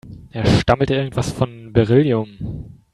Er stammelte irgendwas von Beryllium.